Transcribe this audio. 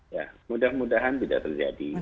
ya mudah mudahan tidak terjadi